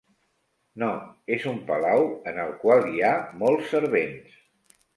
No, és un palau, en el qual hi ha molts servents.